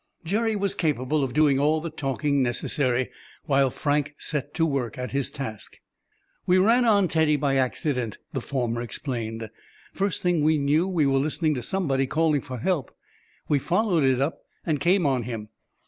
Jerry was capable of doing all the talking necessary, while Frank set to work at his task. "We ran on Teddy by accident," the former explained. "First thing we knew we were listening to somebody calling for help. We followed it up, and came on him.